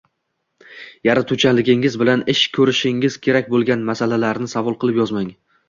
yaratuvchanligingiz bilan ish ko’rishingiz kerak bo’lgan masalalarni savol qilib yozmang